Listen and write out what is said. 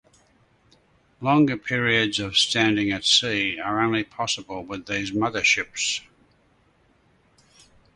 Longer periods of standing at sea are only possible with these mother ships.